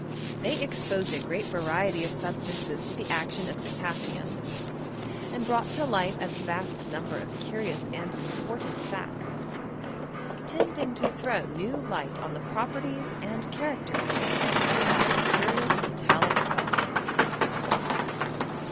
They exposed a great variety of substances to the action OT ELECTRO CHEMISTRY. 273 of potassium, and brought to light a vast number of curious and important facts, tending to throw new light on the properties and characters of that curious metallic substance.